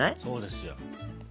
そうですよ。